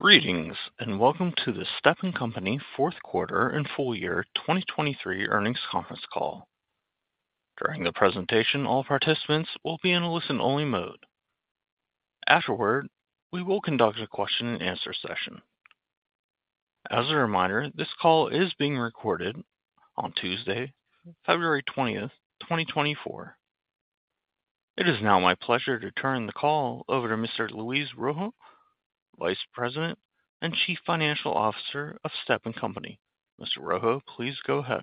Greetings, and welcome to the Stepan Company fourth quarter and full year 2023 earnings conference call. During the presentation, all participants will be in a listen-only mode. Afterward, we will conduct a question-and-answer session. As a reminder, this call is being recorded on Tuesday, February 20, 2024. It is now my pleasure to turn the call over to Mr. Luis Rojo, Vice President and Chief Financial Officer of Stepan Company. Mr. Rojo, please go ahead.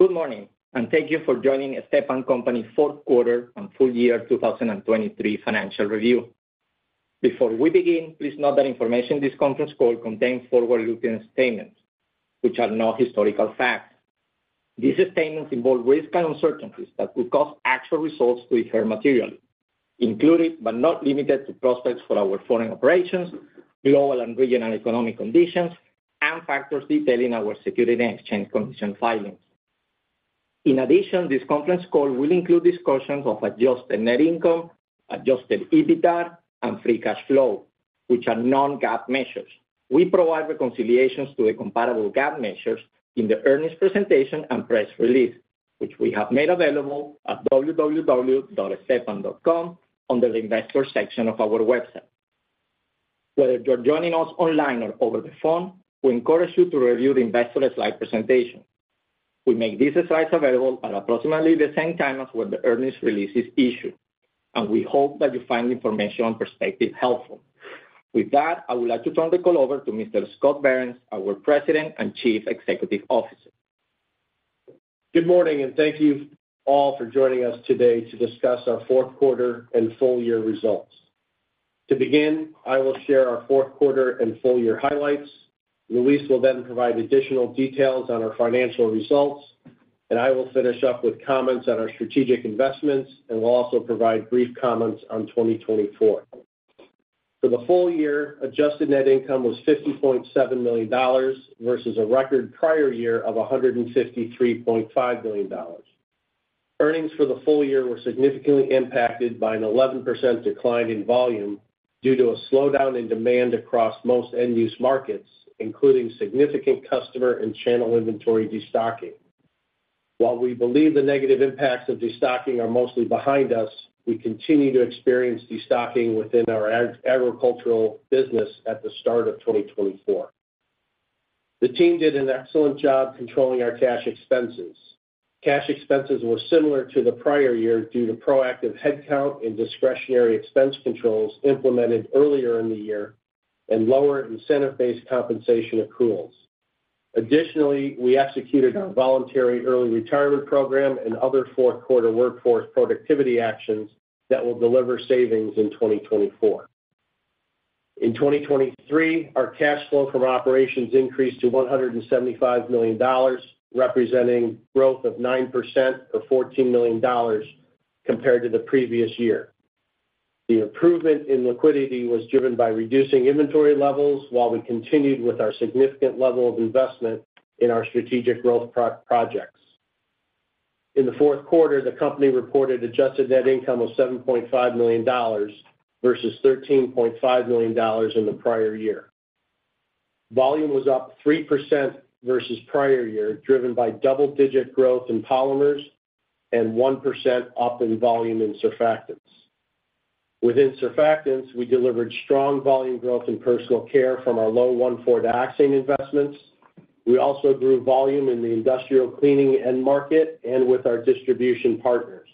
Good morning, and thank you for joining Stepan Company fourth quarter and full year 2023 financial review. Before we begin, please note that information in this conference call contains forward-looking statements, which are not historical facts. These statements involve risks and uncertainties that could cause actual results to differ materially, including, but not limited to, prospects for our foreign operations, global and regional economic conditions, and factors detailing our Securities and Exchange Commission filings. In addition, this conference call will include discussions of adjusted net income, adjusted EBITDA, and free cash flow, which are non-GAAP measures. We provide reconciliations to the comparable GAAP measures in the earnings presentation and press release, which we have made available at www.stepan.com, under the Investor section of our website. Whether you're joining us online or over the phone, we encourage you to review the investor slide presentation. We make these slides available at approximately the same time as when the earnings release is issued, and we hope that you find the information and perspective helpful. With that, I would like to turn the call over to Mr. Scott Behrens, our President and Chief Executive Officer. Good morning, and thank you all for joining us today to discuss our fourth quarter and full year results. To begin, I will share our fourth quarter and full year highlights. Luis will then provide additional details on our financial results, and I will finish up with comments on our strategic investments, and will also provide brief comments on 2024. For the full year, adjusted net income was $50.7 million versus a record prior year of $153.5 million. Earnings for the full year were significantly impacted by an 11% decline in volume due to a slowdown in demand across most end-use markets, including significant customer and channel inventory destocking. While we believe the negative impacts of destocking are mostly behind us, we continue to experience destocking within our agricultural business at the start of 2024. The team did an excellent job controlling our cash expenses. Cash expenses were similar to the prior year due to proactive headcount and discretionary expense controls implemented earlier in the year and lower incentive-based compensation accruals. Additionally, we executed our voluntary early retirement program and other fourth quarter workforce productivity actions that will deliver savings in 2024. In 2023, our cash flow from operations increased to $175 million, representing growth of 9% or $14 million compared to the previous year. The improvement in liquidity was driven by reducing inventory levels while we continued with our significant level of investment in our strategic growth projects. In the fourth quarter, the company reported adjusted net income of $7.5 million versus $13.5 million in the prior year. Volume was up 3% versus prior year, driven by double-digit growth in polymers and 1% up in volume in surfactants. Within surfactants, we delivered strong volume growth in personal care from our low 1,4-dioxane investments. We also grew volume in the industrial cleaning end market and with our distribution partners.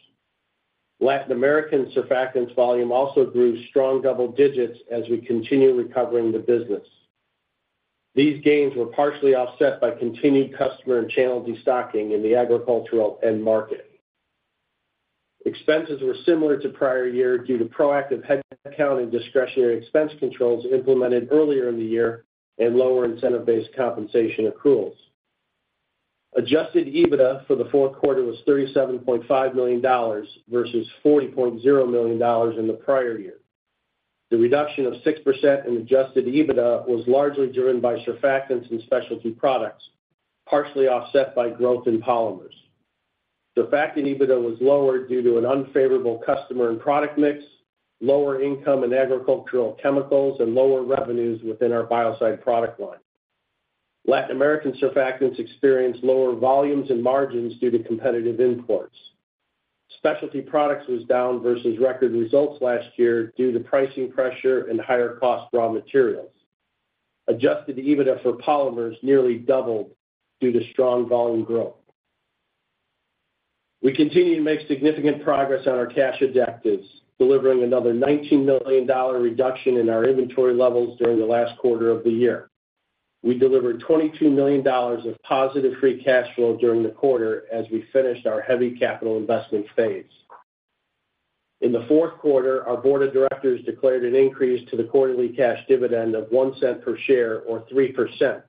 Latin American Surfactants volume also grew strong double digits as we continue recovering the business. These gains were partially offset by continued customer and channel destocking in the agricultural end market. Expenses were similar to prior year due to proactive headcount and discretionary expense controls implemented earlier in the year and lower incentive-based compensation accruals. Adjusted EBITDA for the fourth quarter was $37.5 million versus $40.0 million in the prior year. The reduction of 6% in adjusted EBITDA was largely driven by Surfactants and Specialty Products, partially offset by growth in Polymers. Surfactants EBITDA was lower due to an unfavorable customer and product mix, lower income in agricultural chemicals, and lower revenues within our Biocides product line. Latin American surfactants experienced lower volumes and margins due to competitive imports. Specialty Products was down versus record results last year due to pricing pressure and higher cost raw materials. Adjusted EBITDA for Polymers nearly doubled due to strong volume growth. We continue to make significant progress on our cash objectives, delivering another $19 million reduction in our inventory levels during the last quarter of the year. We delivered $22 million of positive Free Cash Flow during the quarter as we finished our heavy capital investment phase. In the fourth quarter, our board of directors declared an increase to the quarterly cash dividend of $0.01 per share, or 3%,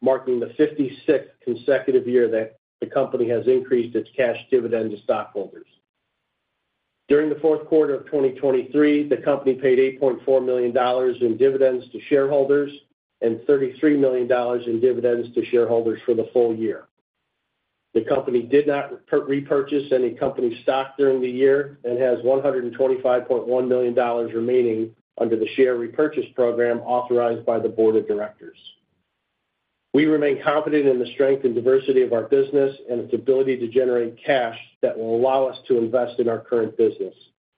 marking the 56th consecutive year that the company has increased its cash dividend to stockholders. During the fourth quarter of 2023, the company paid $8.4 million in dividends to shareholders and $33 million in dividends to shareholders for the full year. The company did not repurchase any company stock during the year and has $125.1 million remaining under the share repurchase program authorized by the board of directors. We remain confident in the strength and diversity of our business and its ability to generate cash that will allow us to invest in our current business,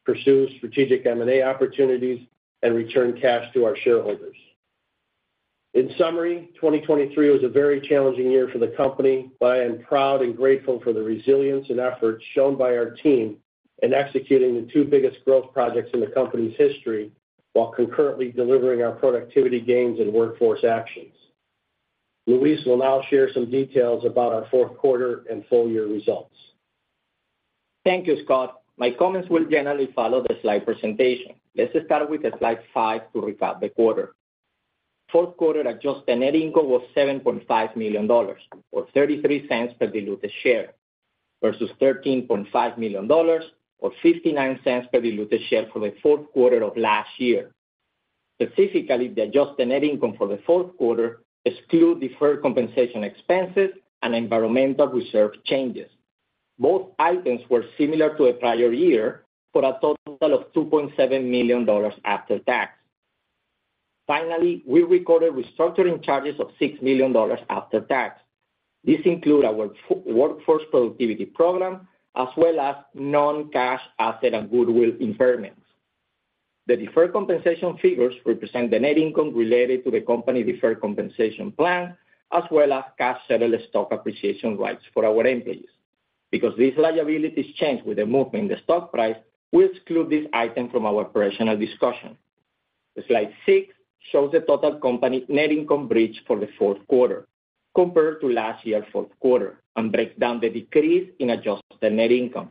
pursue strategic M&A opportunities, and return cash to our shareholders. In summary, 2023 was a very challenging year for the company, but I am proud and grateful for the resilience and effort shown by our team in executing the two biggest growth projects in the company's history, while concurrently delivering our productivity gains and workforce actions. Luis will now share some details about our fourth quarter and full year results. Thank you, Scott. My comments will generally follow the slide presentation. Let's start with slide 5 to recap the quarter. Fourth quarter adjusted net income was $7.5 million, or $0.33 per diluted share, versus $13.5 million, or $0.59 per diluted share for the fourth quarter of last year. Specifically, the adjusted net income for the fourth quarter exclude deferred compensation expenses and environmental reserve changes. Both items were similar to the prior year, for a total of $2.7 million after tax. Finally, we recorded restructuring charges of $6 million after tax. This include our workforce productivity program, as well as non-cash asset and goodwill impairments. The deferred compensation figures represent the net income related to the company's deferred compensation plan, as well as cash-settled stock appreciation rights for our employees. Because these liabilities change with the movement in the stock price, we exclude this item from our operational discussion. Slide 6 shows the total company net income bridge for the fourth quarter compared to last year's fourth quarter, and break down the decrease in Adjusted Net Income.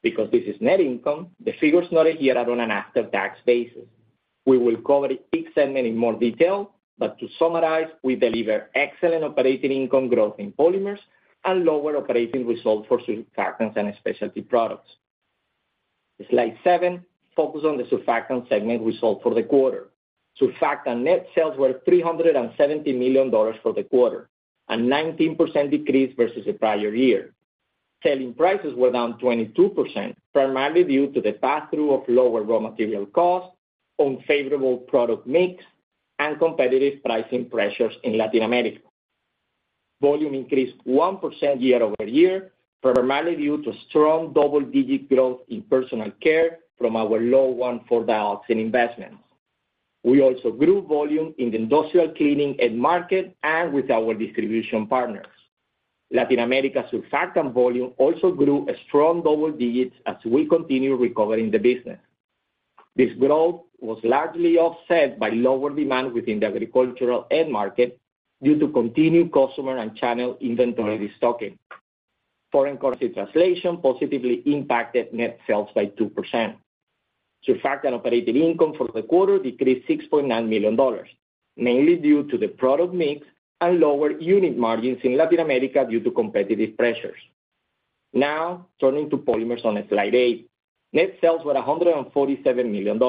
Because this is net income, the figures noted here are on an after-tax basis. We will cover each segment in more detail, but to summarize, we delivered excellent operating income growth in Polymers and lower operating results for Surfactants and Specialty Products. Slide 7 focus on the Surfactants segment result for the quarter. Surfactants net sales were $370 million for the quarter, a 19% decrease versus the prior year. Selling prices were down 22%, primarily due to the pass-through of lower raw material costs, unfavorable product mix, and competitive pricing pressures in Latin America. Volume increased 1% year-over-year, primarily due to strong double-digit growth in personal care from our low 1,4-dioxane investments. We also grew volume in the industrial cleaning end market and with our distribution partners. Latin America Surfactants volume also grew a strong double digits as we continue recovering the business. This growth was largely offset by lower demand within the agricultural end market, due to continued customer and channel inventory destocking. Foreign currency translation positively impacted net sales by 2%. Surfactants operating income for the quarter decreased $6.9 million, mainly due to the product mix and lower unit margins in Latin America due to competitive pressures. Now, turning to Polymers on slide eight. Net sales were $147 million,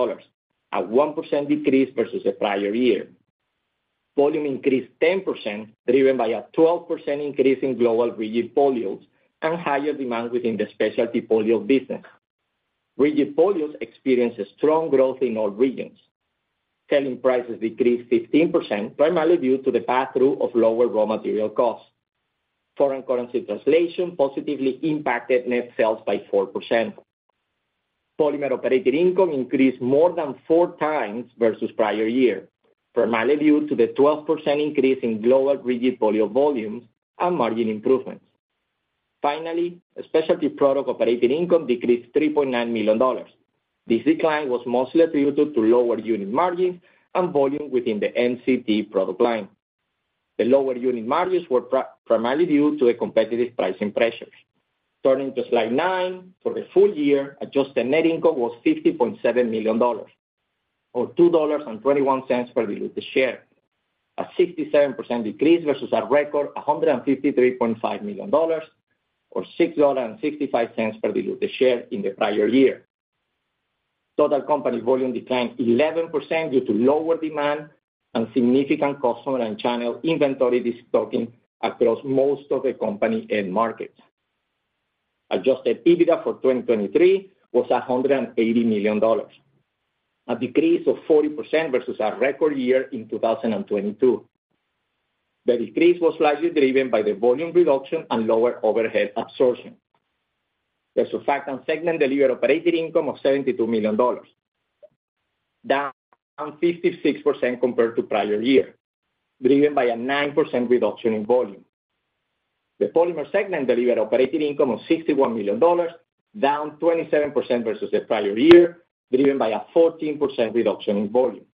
a 1% decrease versus the prior year. Volume increased 10%, driven by a 12% increase in global Rigid Polyols and higher demand within the Specialty Polyols business. Rigid Polyols experienced a strong growth in all regions. Selling prices decreased 15%, primarily due to the pass-through of lower raw material costs. Foreign currency translation positively impacted net sales by 4%. Polymers operating income increased more than 4 times versus prior year, primarily due to the 12% increase in global Rigid Polyols volumes and margin improvements. Finally, Specialty Products Operating Income decreased $3.9 million. This decline was mostly attributed to lower unit margins and volume within the MCT product line. The lower unit margins were primarily due to the competitive pricing pressures. Turning to slide nine, for the full year, Adjusted Net Income was $50.7 million, or $2.21 per diluted share, a 67% decrease versus our record $153.5 million, or $6.65 per diluted share in the prior year. Total company volume declined 11% due to lower demand and significant customer and channel inventory destocking across most of the company end markets. Adjusted EBITDA for 2023 was $180 million, a decrease of 40% versus our record year in 2022. The decrease was largely driven by the volume reduction and lower overhead absorption. The Surfactants segment delivered operating income of $72 million, down 56% compared to prior year, driven by a 9% reduction in volume. The Polymers segment delivered operating income of $61 million, down 27% versus the prior year, driven by a 14% reduction in volume.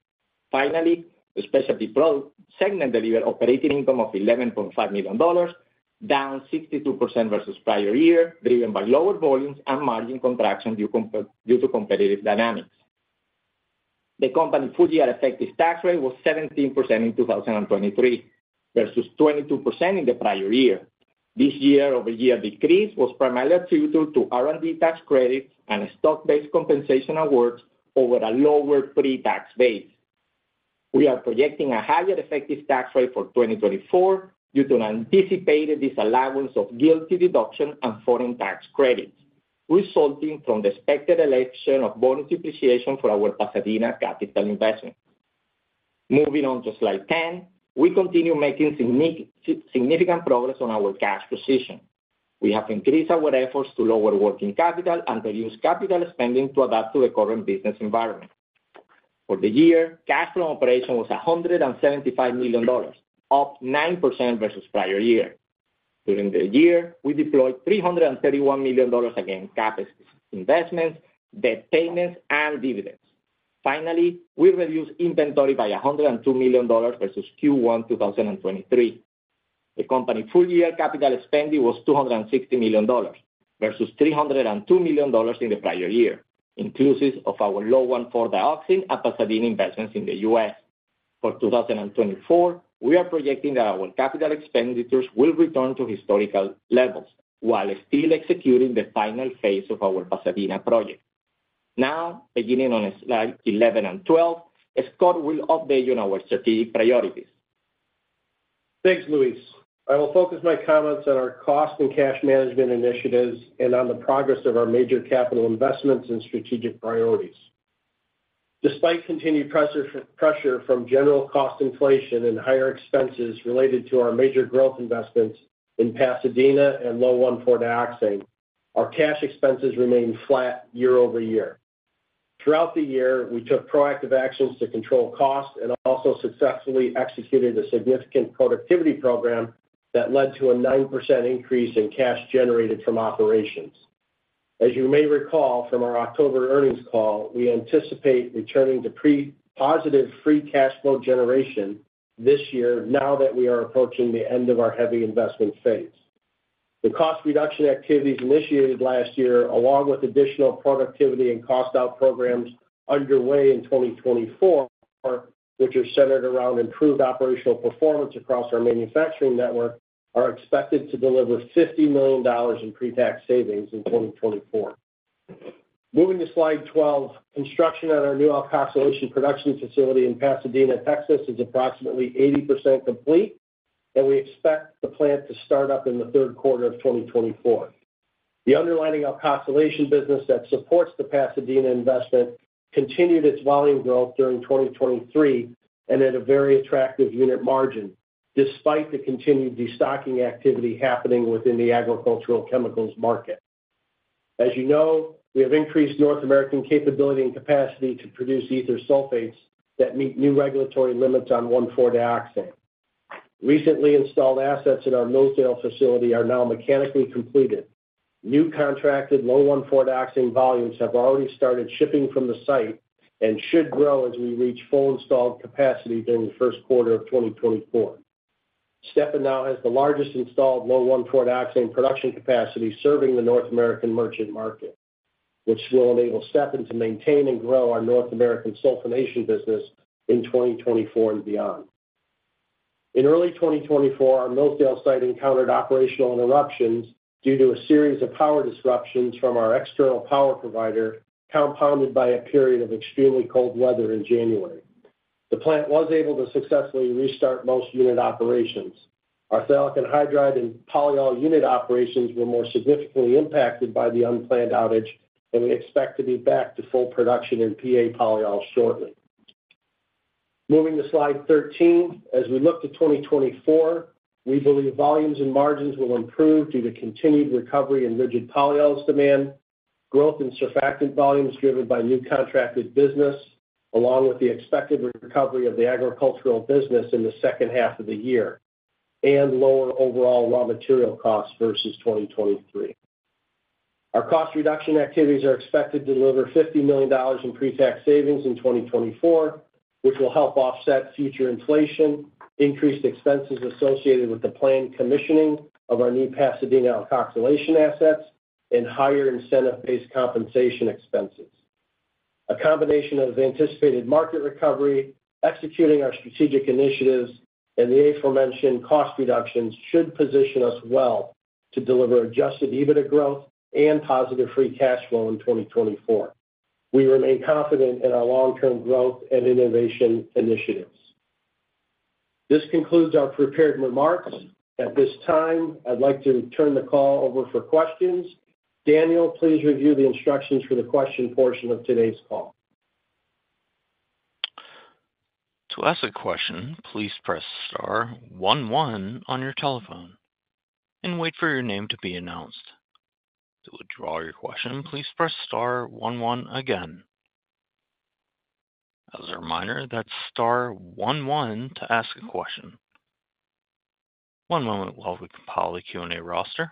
Finally, the Specialty Products segment delivered Operating Income of $11.5 million, down 62% versus prior year, driven by lower volumes and margin contraction due to competitive dynamics. The company full-year effective tax rate was 17% in 2023, versus 22% in the prior year. This year-over-year decrease was primarily attributed to R&D tax credits and stock-based compensation awards over a lower pre-tax base. We are projecting a higher effective tax rate for 2024 due to an anticipated disallowance of GILTI deduction and foreign tax credits, resulting from the expected election of bonus depreciation for our Pasadena capital investment. Moving on to slide 10, we continue making significant progress on our cash position. We have increased our efforts to lower working capital and reduce capital spending to adapt to the current business environment. For the year, cash from operations was $175 million, up 9% versus prior year. During the year, we deployed $331 million against CapEx investments, debt payments, and dividends. Finally, we reduced inventory by $102 million versus Q1 2023. The company full year capital spending was $260 million, versus $302 million in the prior year, inclusive of our low 1,4-dioxane and Pasadena investments in the U.S. For 2024, we are projecting that our capital expenditures will return to historical levels while still executing the final phase of our Pasadena project. Now, beginning on slide 11 and 12, as Scott will update you on our strategic priorities. Thanks, Luis. I will focus my comments on our cost and cash management initiatives and on the progress of our major capital investments and strategic priorities. Despite continued pressure, pressure from general cost inflation and higher expenses related to our major growth investments in Pasadena and low 1,4-dioxane, our cash expenses remained flat year-over-year. Throughout the year, we took proactive actions to control costs and also successfully executed a significant productivity program that led to a 9% increase in cash generated from operations. As you may recall from our October earnings call, we anticipate returning to pre-positive free cash flow generation this year now that we are approaching the end of our heavy investment phase. The cost reduction activities initiated last year, along with additional productivity and cost out programs underway in 2024, which are centered around improved operational performance across our manufacturing network, are expected to deliver $50 million in pre-tax savings in 2024. Moving to slide 12. Construction at our new Alkoxylation Production Facility in Pasadena, Texas, is approximately 80% complete, and we expect the plant to start up in the third quarter of 2024. The underlying alkoxylation business that supports the Pasadena investment continued its volume growth during 2023 and at a very attractive unit margin, despite the continued destocking activity happening within the agricultural chemicals market. As you know, we have increased North American capability and capacity to produce ether sulfates that meet new regulatory limits on 1,4-dioxane. Recently installed assets at our Millsdale facility are now mechanically completed. New contracted low 1,4-dioxane volumes have already started shipping from the site and should grow as we reach full installed capacity during the first quarter of 2024. Stepan now has the largest installed low 1,4-dioxane production capacity, serving the North American merchant market, which will enable Stepan to maintain and grow our North American sulfonation business in 2024 and beyond. In early 2024, our Millsdale site encountered operational interruptions due to a series of power disruptions from our external power provider, compounded by a period of extremely cold weather in January. The plant was able to successfully restart most unit operations. Our phthalic anhydride and polyol unit operations were more significantly impacted by the unplanned outage, and we expect to be back to full production in PA polyol shortly. Moving to slide 13. As we look to 2024, we believe volumes and margins will improve due to continued recovery in rigid polyols demand, growth in surfactant volumes driven by new contracted business, along with the expected recovery of the agricultural business in the second half of the year, and lower overall raw material costs versus 2023. Our cost reduction activities are expected to deliver $50 million in pre-tax savings in 2024, which will help offset future inflation, increased expenses associated with the planned commissioning of our new Pasadena Alkoxylation assets, and higher incentive-based compensation expenses. A combination of anticipated market recovery, executing our strategic initiatives, and the aforementioned cost reductions should position us well to deliver adjusted EBITDA growth and positive free cash flow in 2024. We remain confident in our long-term growth and innovation initiatives. This concludes our prepared remarks. At this time, I'd like to turn the call over for questions. Daniel, please review the instructions for the question portion of today's call. To ask a question, please press star one one on your telephone and wait for your name to be announced. To withdraw your question, please press star one one again. As a reminder, that's star one one to ask a question. One moment while we compile the Q&A roster.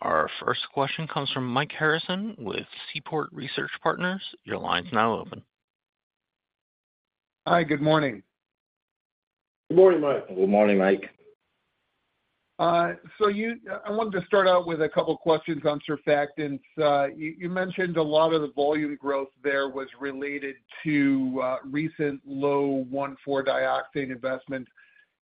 Our first question comes from Mike Harrison with Seaport Research Partners. Your line's now open. Hi, good morning. Good morning, Mike. Good morning, Mike. So, I wanted to start out with a couple questions on surfactants. You mentioned a lot of the volume growth there was related to recent 1,4-dioxane investment.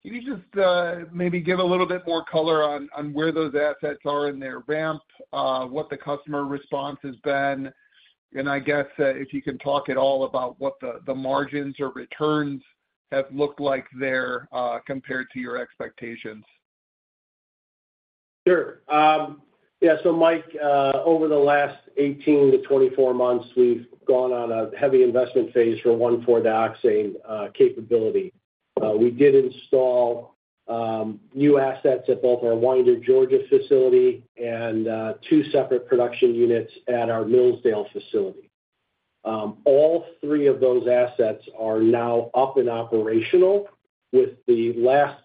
Can you just maybe give a little bit more color on where those assets are in their ramp, what the customer response has been? And I guess, if you can talk at all about what the margins or returns have looked like there, compared to your expectations. Sure. Yeah, so Mike, over the last 18-24 months, we've gone on a heavy investment phase for 1,4-dioxane capability. We did install new assets at both our Winder, Georgia facility and two separate production units at our Millsdale facility. All three of those assets are now up and operational, with the last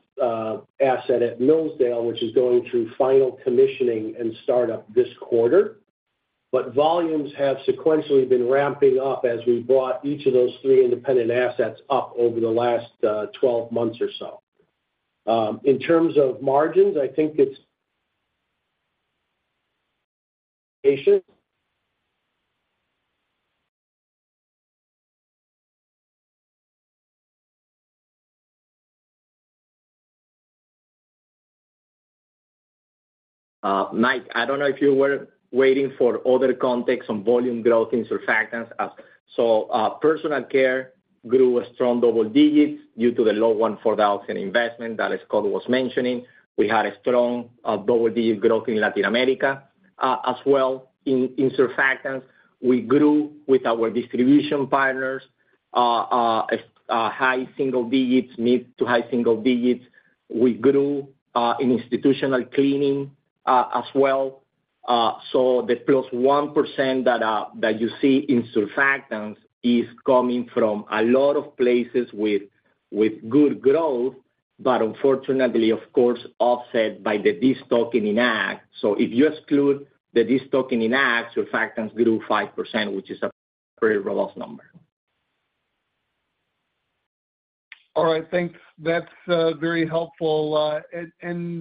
asset at Millsdale, which is going through final commissioning and startup this quarter. But volumes have sequentially been ramping up as we've brought each of those three independent assets up over the last 12 months or so. In terms of margins, I think it's... Mike, I don't know if you were waiting for other context on volume growth in surfactants. So, personal care grew a strong double digits due to the low 1,4-dioxane investment that Scott was mentioning. We had a strong double-digit growth in Latin America as well. In surfactants, we grew with our distribution partners high single digits, mid- to high single digits. We grew in institutional cleaning as well. So the +1% that you see in surfactants is coming from a lot of places with good growth, but unfortunately, of course, offset by the destocking in ag. So if you exclude the destocking in ag, surfactants grew 5%, which is a pretty robust number. All right, thanks. That's very helpful. And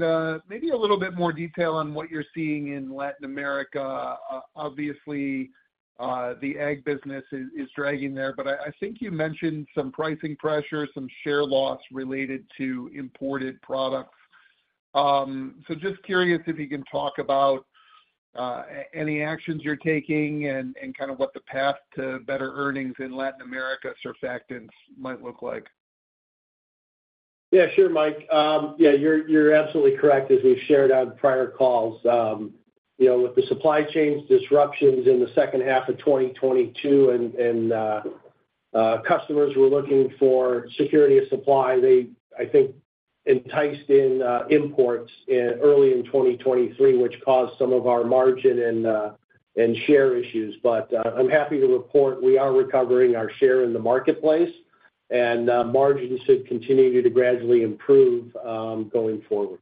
maybe a little bit more detail on what you're seeing in Latin America. Obviously, the ag business is dragging there, but I think you mentioned some pricing pressure, some share loss related to imported products. So just curious if you can talk about any actions you're taking and kind of what the path to better earnings in Latin America surfactants might look like. Yeah, sure, Mike. Yeah, you're absolutely correct as we've shared on prior calls. You know, with the supply chains disruptions in the second half of 2022, and customers were looking for security of supply, they, I think, enticed in imports in early in 2023, which caused some of our margin and share issues. But, I'm happy to report we are recovering our share in the marketplace, and margins should continue to gradually improve, going forward.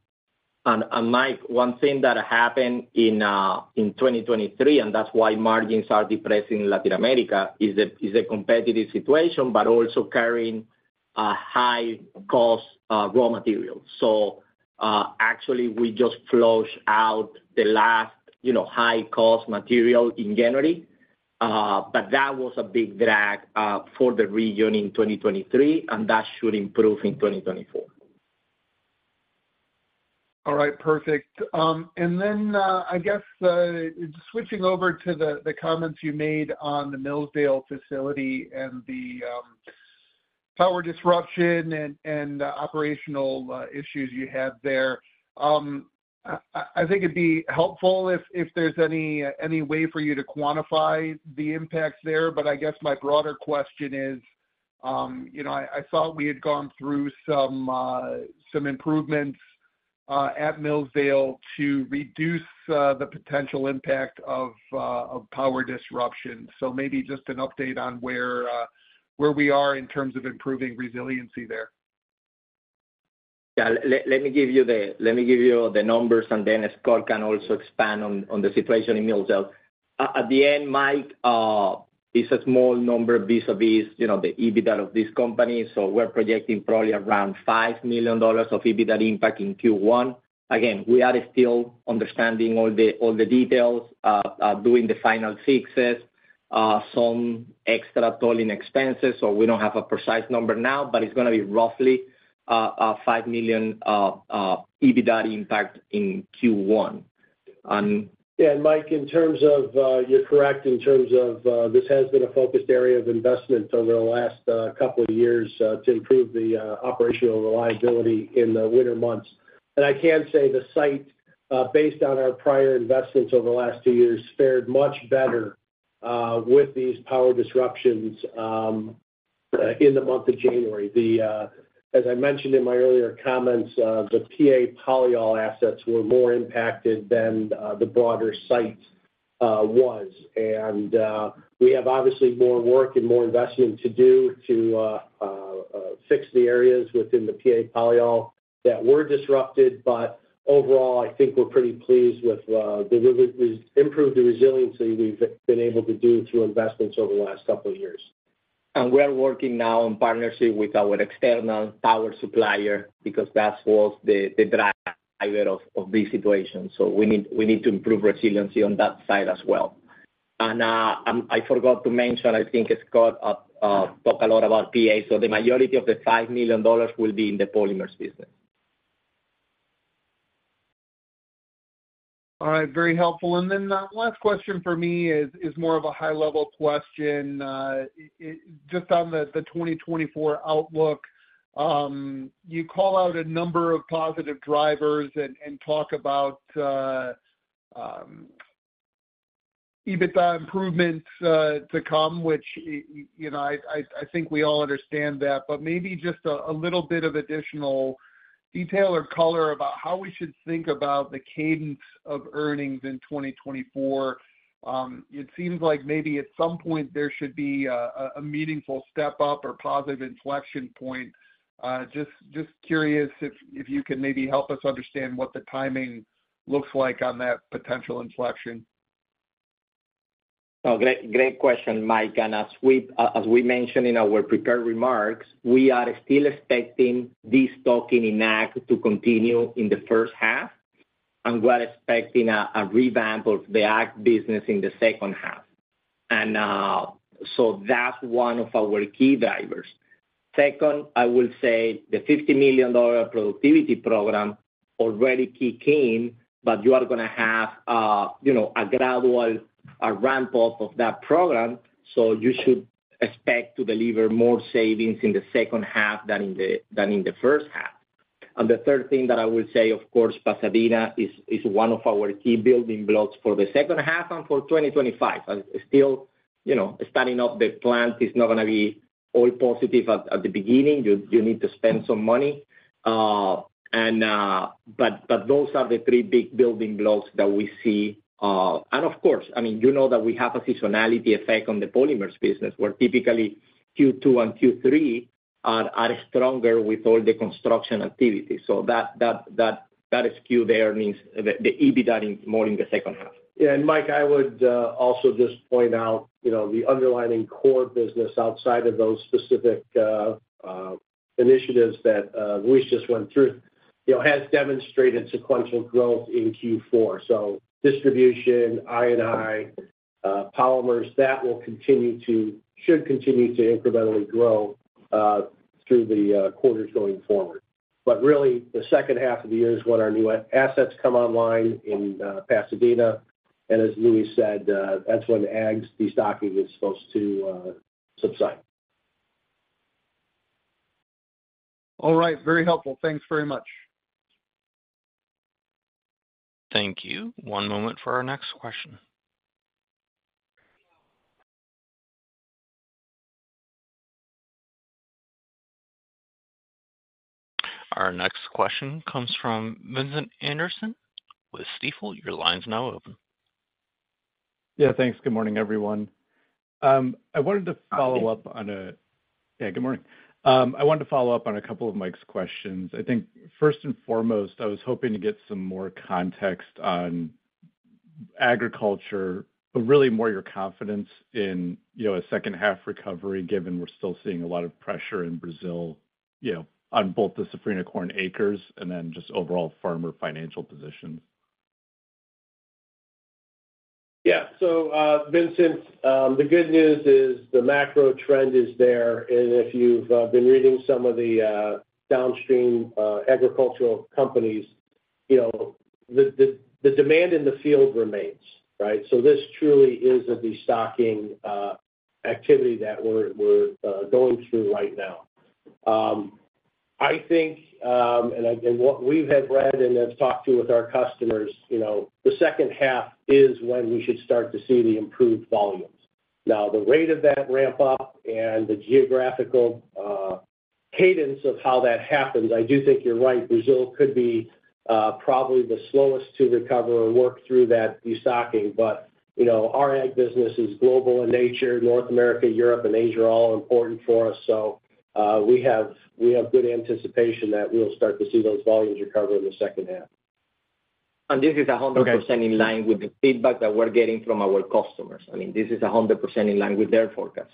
And Mike, one thing that happened in 2023, and that's why margins are depressing Latin America, is a competitive situation, but also carrying a high cost raw materials. So, actually, we just flushed out the last, you know, high-cost material in January, but that was a big drag for the region in 2023, and that should improve in 2024. All right. Perfect. And then, I guess, switching over to the comments you made on the Millsdale facility and the power disruption and operational issues you had there. I think it'd be helpful if there's any way for you to quantify the impacts there. But I guess my broader question is, you know, I thought we had gone through some improvements at Millsdale to reduce the potential impact of power disruption. So maybe just an update on where we are in terms of improving resiliency there. Yeah. Let me give you the numbers, and then Scott can also expand on the situation in Millsdale. At the end, Mike, it's a small number vis-a-vis, you know, the EBITDA of this company, so we're projecting probably around $5 million of EBITDA impact in Q1. Again, we are still understanding all the details, doing the final fixes, some extra tolling expenses. So we don't have a precise number now, but it's gonna be roughly $5 million EBITDA impact in Q1. Yeah, Mike, in terms of, you're correct, in terms of, this has been a focused area of investment over the last couple of years to improve the operational reliability in the winter months. And I can say the site, based on our prior investments over the last two years, fared much better with these power disruptions in the month of January. As I mentioned in my earlier comments, the PA polyol assets were more impacted than the broader site was. And we have obviously more work and more investment to do to fix the areas within the PA polyol that were disrupted. But overall, I think we're pretty pleased with the improved resiliency we've been able to do through investments over the last couple of years. We are working now in partnership with our external power supplier, because that was the driver of this situation. So we need to improve resiliency on that side as well. And I forgot to mention, I think, as Scott talked a lot about PA, so the majority of the $5 million will be in the Polymers business. All right, very helpful. And then last question for me is more of a high-level question. Just on the 2024 outlook. You call out a number of positive drivers and talk about EBITDA improvements to come, which, you know, I think we all understand that. But maybe just a little bit of additional detail or color about how we should think about the cadence of earnings in 2024. It seems like maybe at some point there should be a meaningful step-up or positive inflection point. Just curious if you can maybe help us understand what the timing looks like on that potential inflection. Oh, great, great question, Mike. As we, as we mentioned in our prepared remarks, we are still expecting this destocking in ag to continue in the first half, and we're expecting a revamp of the ag business in the second half. So that's one of our key drivers. Second, I will say the $50 million productivity program already kick in, but you are gonna have, you know, a gradual ramp-up of that program, so you should expect to deliver more savings in the second half than in the first half. And the third thing that I will say, of course, Pasadena is one of our key building blocks for the second half and for 2025. And still, you know, starting up the plant is not gonna be all positive at the beginning. You need to spend some money. Those are the three big building blocks that we see. Of course, I mean, you know that we have a seasonality effect on the Polymers business, where typically Q2 and Q3 are stronger with all the construction activity. So that SKU there means the EBITDA in more in the second half. Yeah, and Mike, I would also just point out, you know, the underlying core business outside of those specific initiatives that Luis just went through, you know, has demonstrated sequential growth in Q4. So distribution, I&I, polymers, that will continue to-- should continue to incrementally grow through the quarters going forward. But really, the second half of the year is when our new assets come online in Pasadena. And as Luis said, that's when ag's destocking is supposed to subside. All right. Very helpful. Thanks very much. Thank you. One moment for our next question. Our next question comes from Vincent Anderson with Stifel. Your line's now open. Yeah, thanks. Good morning, everyone. Yeah, good morning. I wanted to follow up on a couple of Mike's questions. I think first and foremost, I was hoping to get some more context on agriculture, but really more your confidence in, you know, a second half recovery, given we're still seeing a lot of pressure in Brazil, you know, on both the safrinha corn acres and then just overall farmer financial positions. Yeah. So, Vincent, the good news is the macro trend is there, and if you've been reading some of the downstream agricultural companies, you know, the demand in the field remains, right? So this truly is a destocking activity that we're going through right now. I think, and what we have read and have talked to with our customers, you know, the second half is when we should start to see the improved volumes. Now, the rate of that ramp up and the geographical cadence of how that happens, I do think you're right, Brazil could be probably the slowest to recover or work through that destocking. But, you know, our ag business is global in nature. North America, Europe, and Asia are all important for us, so we have, we have good anticipation that we'll start to see those volumes recover in the second half. This is 100%- Okay... in line with the feedback that we're getting from our customers. I mean, this is 100% in line with their forecast.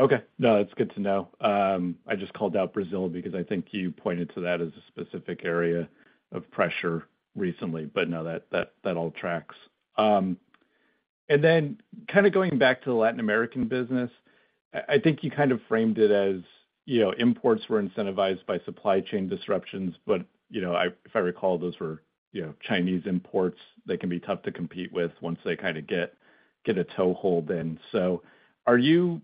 Okay. No, it's good to know. I just called out Brazil because I think you pointed to that as a specific area of pressure recently. But no, that, that, that all tracks. And then kind of going back to the Latin American business, I think you kind of framed it as, you know, imports were incentivized by supply chain disruptions. But, you know, I if I recall, those were, you know, Chinese imports. They can be tough to compete with once they kind of get a toehold in. So are you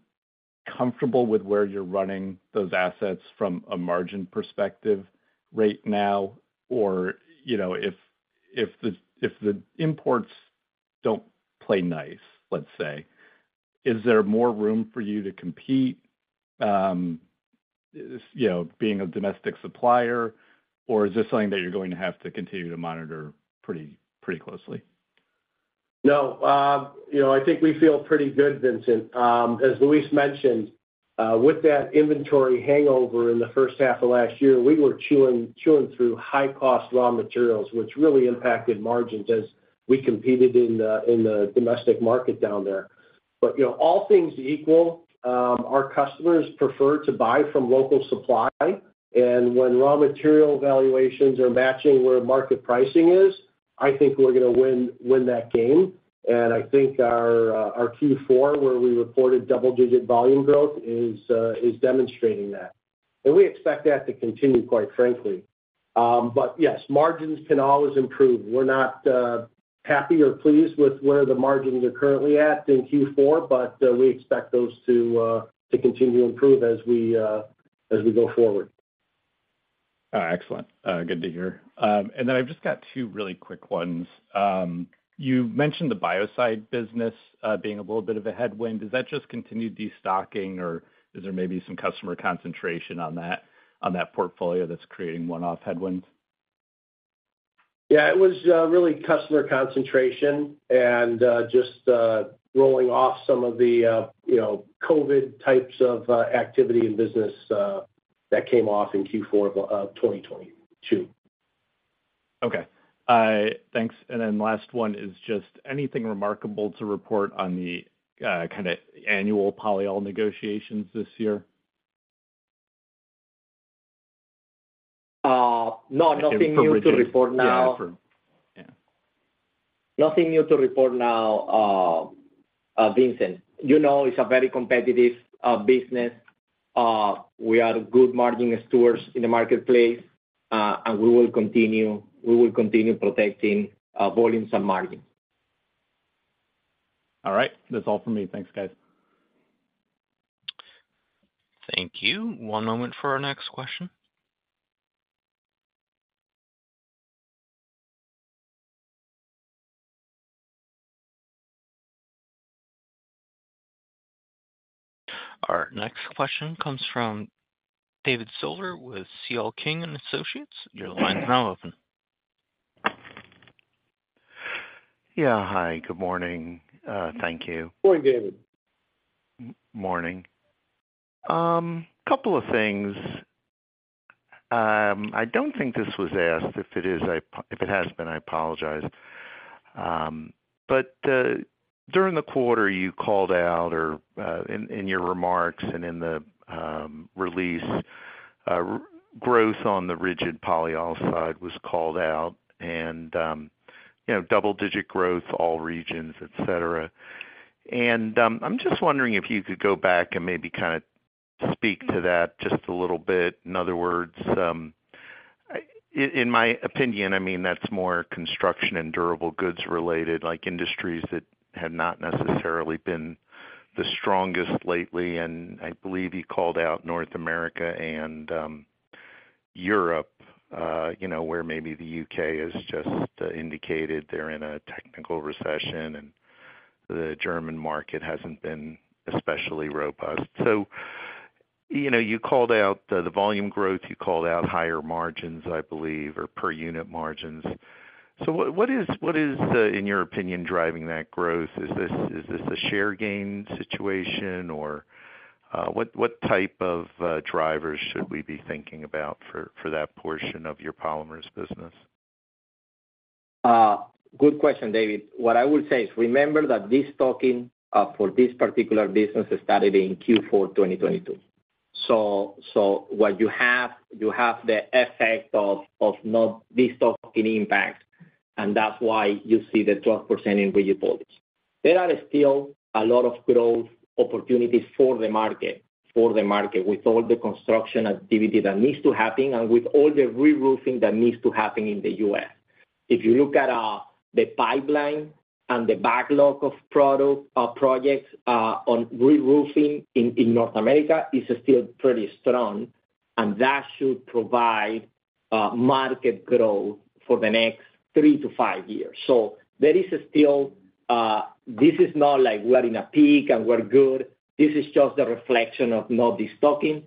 comfortable with where you're running those assets from a margin perspective right now? Or, you know, if the imports don't play nice, let's say, is there more room for you to compete, you know, being a domestic supplier, or is this something that you're going to have to continue to monitor pretty, pretty closely?... No, you know, I think we feel pretty good, Vincent. As Luis mentioned, with that inventory hangover in the first half of last year, we were chewing through high-cost raw materials, which really impacted margins as we competed in the domestic market down there. But, you know, all things equal, our customers prefer to buy from local supply, and when raw material valuations are matching where market pricing is, I think we're gonna win that game. And I think our Q4, where we reported double-digit volume growth, is demonstrating that. And we expect that to continue, quite frankly. But yes, margins can always improve. We're not happy or pleased with where the margins are currently at in Q4, but we expect those to continue to improve as we go forward. Excellent. Good to hear. And then I've just got two really quick ones. You mentioned the biocide business being a little bit of a headwind. Is that just continued destocking, or is there maybe some customer concentration on that, on that portfolio that's creating one-off headwinds? Yeah, it was really customer concentration and just rolling off some of the, you know, COVID types of activity and business that came off in Q4 of 2022. Okay. Thanks. And then last one is just anything remarkable to report on the kind of annual polyol negotiations this year? No, nothing new to report now. Yeah, for... Yeah. Nothing new to report now, Vincent. You know, it's a very competitive business. We are good margin stewards in the marketplace, and we will continue, we will continue protecting volumes and margins. All right. That's all for me. Thanks, guys. Thank you. One moment for our next question. Our next question comes from David Silver with CL King & Associates. Your line is now open. Yeah. Hi, good morning. Thank you. Good morning, David. Morning. Couple of things. I don't think this was asked. If it is, if it has been, I apologize. But during the quarter, you called out, or in your remarks and in the release, growth on the rigid polyol side was called out, and you know, double-digit growth, all regions, et cetera. And I'm just wondering if you could go back and maybe kind of speak to that just a little bit. In other words, in my opinion, I mean, that's more construction and durable goods related, like industries that have not necessarily been the strongest lately. And I believe you called out North America and Europe, you know, where maybe the UK has just indicated they're in a technical recession, and the German market hasn't been especially robust. So, you know, you called out the volume growth, you called out higher margins, I believe, or per unit margins. So what is, in your opinion, driving that growth? Is this a share gain situation, or what type of drivers should we be thinking about for that portion of your Polymers business? Good question, David. What I would say is, remember that this talking, for this particular business started in Q4 2022. So, so what you have, you have the effect of, of not this talking impact, and that's why you see the 12% in Rigid Polyols. There are still a lot of growth opportunities for the market, for the market, with all the construction activity that needs to happen and with all the reroofing that needs to happen in the U.S. If you look at, the pipeline and the backlog of product, projects, on reroofing in, in North America, it's still pretty strong, and that should provide, market growth for the next 3-5 years. So there is still, this is not like we're in a peak and we're good. This is just a reflection of not destocking.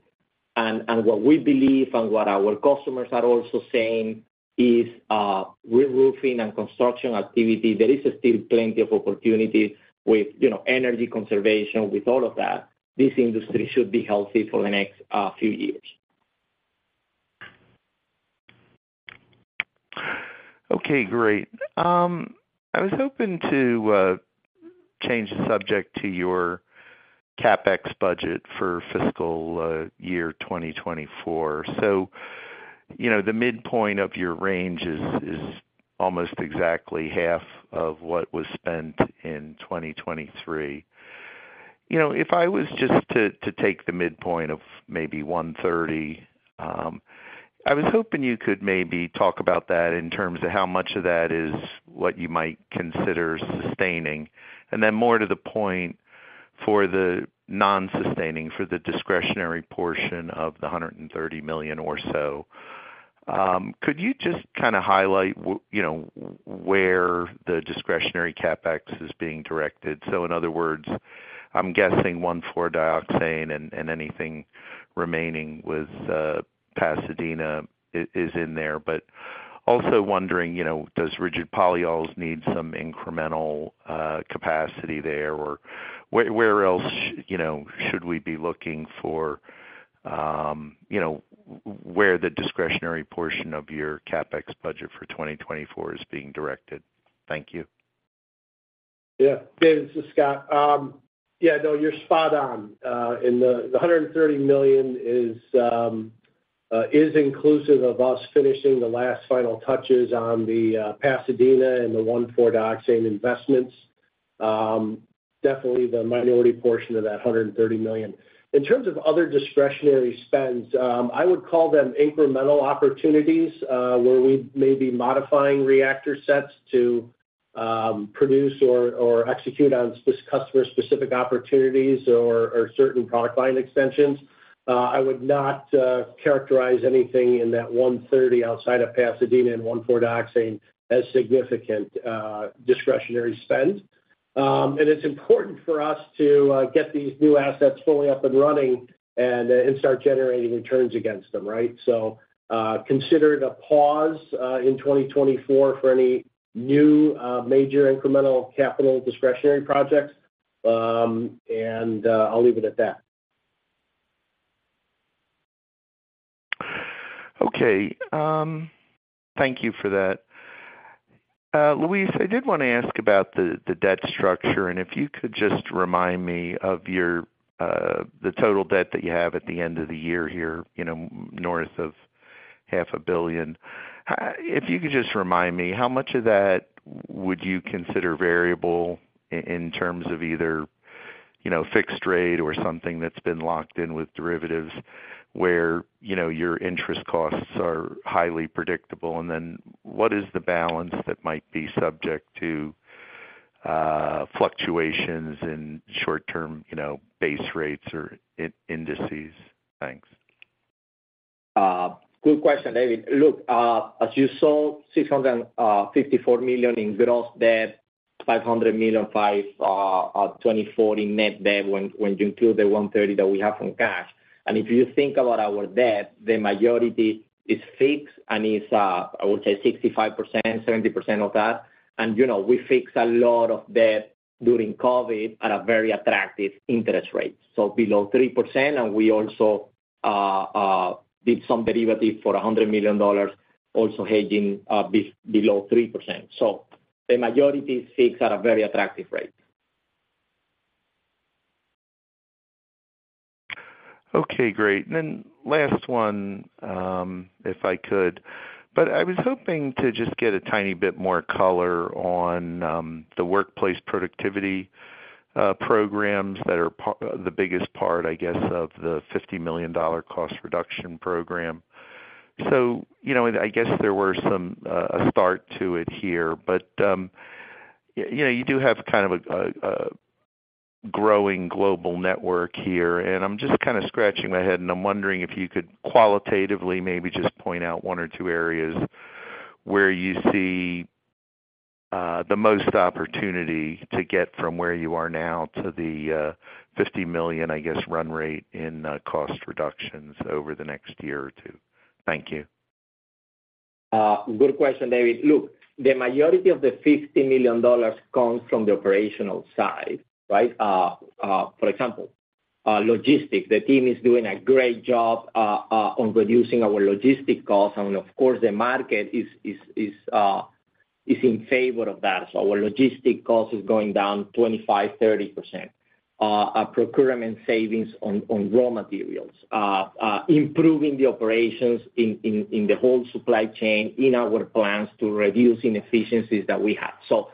And what we believe and what our customers are also saying is, reroofing and construction activity, there is still plenty of opportunity with, you know, energy conservation, with all of that. This industry should be healthy for the next few years. Okay, great. I was hoping to change the subject to your CapEx budget for fiscal year 2024. So, you know, the midpoint of your range is almost exactly half of what was spent in 2023. You know, if I was just to take the midpoint of maybe $130 million, I was hoping you could maybe talk about that in terms of how much of that is what you might consider sustaining. And then more to the point, for the non-sustaining, for the discretionary portion of the $130 million or so, could you just kind of highlight where the discretionary CapEx is being directed? So in other words, I'm guessing 1,4-dioxane and anything remaining with Pasadena is in there, but... Also wondering, you know, does rigid polyols need some incremental capacity there? Or where else, you know, should we be looking for, you know, where the discretionary portion of your CapEx budget for 2024 is being directed? Thank you. Yeah. David, this is Scott. Yeah, no, you're spot on. And the $130 million is inclusive of us finishing the last final touches on the Pasadena and the 1,4-dioxane investments. Definitely the minority portion of that $130 million. In terms of other discretionary spends, I would call them incremental opportunities, where we may be modifying reactor sets to produce or execute on customer-specific opportunities or certain product line extensions. I would not characterize anything in that $130 outside of Pasadena and 1,4-dioxane as significant discretionary spend. And it's important for us to get these new assets fully up and running and start generating returns against them, right? Consider it a pause in 2024 for any new, major incremental capital discretionary projects. I'll leave it at that. Okay. Thank you for that. Luis, I did wanna ask about the, the debt structure, and if you could just remind me of your, the total debt that you have at the end of the year here, you know, north of $500 million. If you could just remind me, how much of that would you consider variable in terms of either, you know, fixed rate or something that's been locked in with derivatives, where, you know, your interest costs are highly predictable? And then what is the balance that might be subject to, fluctuations in short-term, you know, base rates or indices? Thanks. Good question, David. Look, as you saw, $654 million in gross debt, $505 million 2040 net debt when you include the $130 that we have from cash. And if you think about our debt, the majority is fixed, and it's, I would say 65%-70% of that. And, you know, we fixed a lot of debt during COVID at a very attractive interest rate, so below 3%. And we also did some derivative for $100 million, also hedging below 3%. So the majority is fixed at a very attractive rate. Okay, great. Then last one, if I could, but I was hoping to just get a tiny bit more color on the workplace productivity programs that are the biggest part, I guess, of the $50 million cost reduction program. So, you know, and I guess there were some a start to it here, but you know, you do have kind of a growing global network here, and I'm just kind of scratching my head, and I'm wondering if you could qualitatively maybe just point out one or two areas where you see the most opportunity to get from where you are now to the $50 million, I guess, run rate in cost reductions over the next year or two. Thank you. Good question, David. Look, the majority of the $50 million comes from the operational side, right? For example, logistics. The team is doing a great job on reducing our logistics costs. And of course, the market is in favor of that. So our logistics cost is going down 25%-30%. Our procurement savings on raw materials, improving the operations in the whole supply chain, in our plants to reduce inefficiencies that we have. So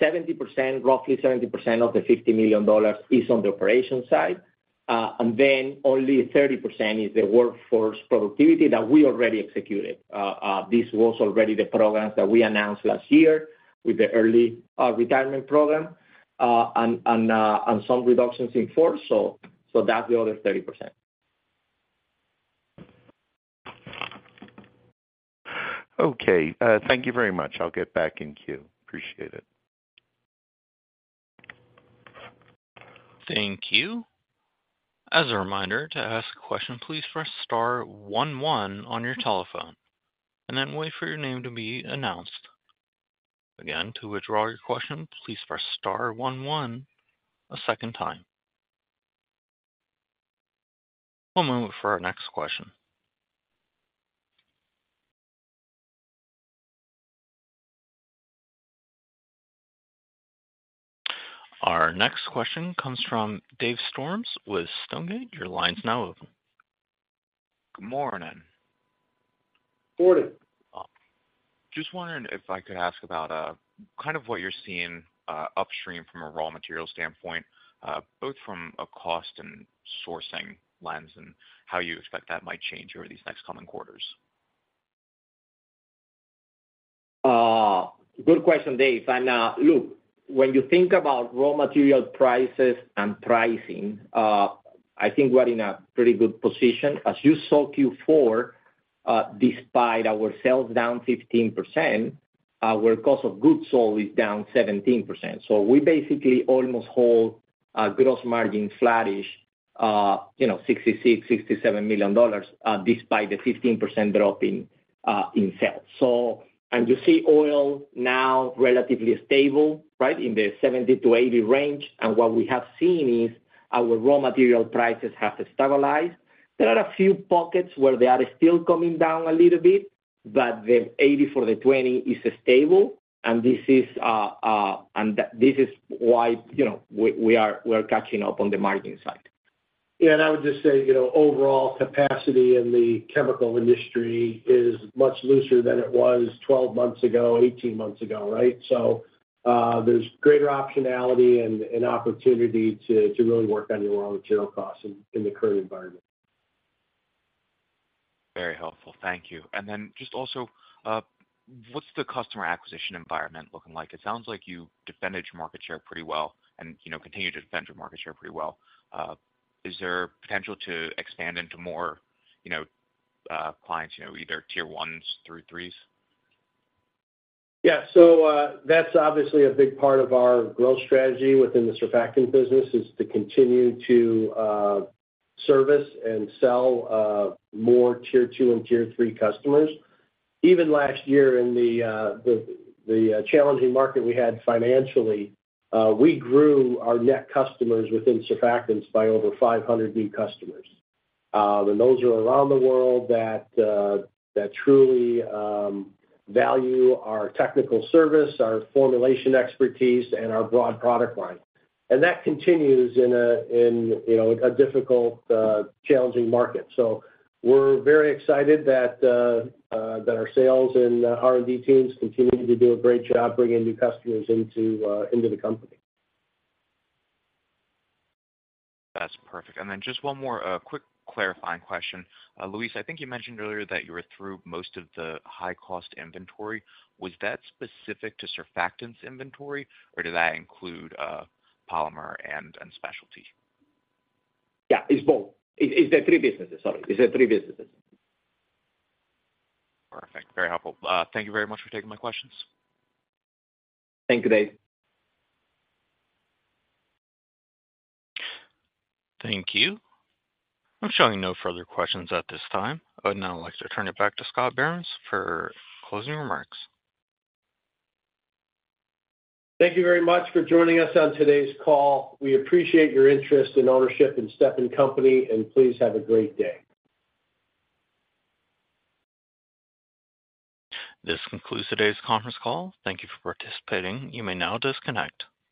70%, roughly 70% of the $50 million is on the operation side, and then only 30% is the workforce productivity that we already executed. This was already the programs that we announced last year with the early retirement program, and some reductions in force. So, that's the other 30%. Okay, thank you very much. I'll get back in queue. Appreciate it. Thank you. As a reminder, to ask a question, please press star one, one on your telephone, and then wait for your name to be announced. Again, to withdraw your question, please press star one, one a second time. One moment for our next question. Our next question comes from Dave Storms with Stonegate. Your line's now open. Good morning. Morning. Just wondering if I could ask about, kind of what you're seeing, upstream from a raw material standpoint, both from a cost and sourcing lens, and how you expect that might change over these next coming quarters? Good question, Dave. And, look, when you think about raw material prices and pricing, I think we're in a pretty good position. As you saw Q4, despite our sales down 15%, our cost of goods sold is down 17%. So we basically almost hold our gross margin flattish, you know, $66-$67 million, despite the 15% drop in sales. So, and you see oil now relatively stable, right? In the 70-80 range. And what we have seen is our raw material prices have stabilized. There are a few pockets where they are still coming down a little bit, but the 80 for the 20 is stable, and this is why, you know, we are catching up on the margin side. Yeah, and I would just say, you know, overall capacity in the chemical industry is much looser than it was 12 months ago, 18 months ago, right? So, there's greater optionality and opportunity to really work on your raw material costs in the current environment. Very helpful. Thank you. And then just also, what's the customer acquisition environment looking like? It sounds like you defended your market share pretty well and, you know, continue to defend your market share pretty well. Is there potential to expand into more, you know, clients, you know, either Tier 1s through 3s? Yeah. So, that's obviously a big part of our growth strategy within the surfactant business, is to continue to service and sell more Tier 2 and Tier 3 customers. Even last year in the challenging market we had financially, we grew our net customers within surfactants by over 500 new customers. And those are around the world that truly value our technical service, our formulation expertise, and our broad product line. And that continues in a, in, you know, a difficult challenging market. So we're very excited that our sales and R&D teams continue to do a great job bringing new customers into the company. That's perfect. And then just one more quick clarifying question. Luis, I think you mentioned earlier that you were through most of the high-cost inventory. Was that specific to surfactants inventory, or did that include polymer and specialty? Yeah, it's both. It, it's the three businesses, sorry. It's the three businesses. Perfect. Very helpful. Thank you very much for taking my questions. Thank you, Dave. Thank you. I'm showing no further questions at this time. I'd now like to turn it back to Scott Behrens for closing remarks. Thank you very much for joining us on today's call. We appreciate your interest and ownership in Stepan Company, and please have a great day. This concludes today's conference call. Thank you for participating. You may now disconnect.